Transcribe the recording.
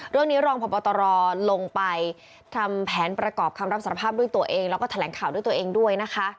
เรื่องนี้รองพตรลลงไปทำแผนประกอบคำลังสารภาพและแถลงข่าวด้วย